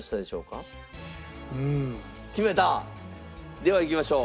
ではいきましょう。